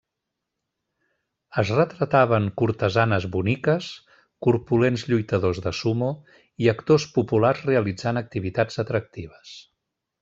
Es retrataven cortesanes boniques, corpulents lluitadors de sumo i actors populars realitzant activitats atractives.